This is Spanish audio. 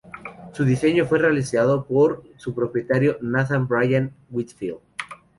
Su diseño fue realizado por su propietario Nathan Bryan Whitfield.